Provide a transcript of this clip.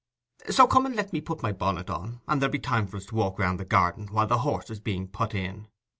So come and let me put my bonnet on, and there'll be time for us to walk round the garden while the horse is being put in."